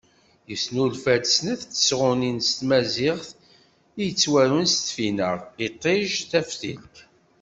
Yesnulfa-d snat n tesɣunin s tmaziɣt i yettwarun s tfinaɣ “Iṭij, Taftilt”.